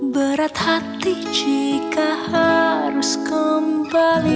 berat hati jika harus kembali